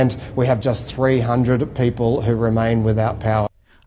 di tenggara kita hanya memiliki tiga ratus orang yang tidak berkuasa